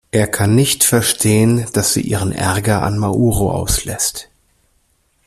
Er kann nicht verstehen, dass sie ihren Ärger an Mauro auslässt.